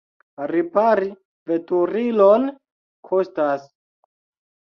Repari veturilon kostas.